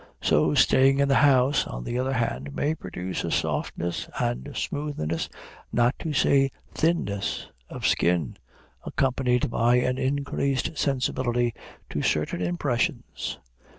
So staying in the house, on the other hand, may produce a softness and smoothness, not to say thinness of skin, accompanied by an increased sensibility to certain impressions.